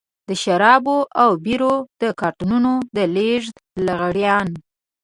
د شرابو او بيرو د کارټنونو د لېږد لغړيان.